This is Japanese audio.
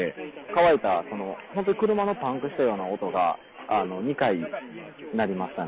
乾いた本当に車がパンクしたような音が２回鳴りました。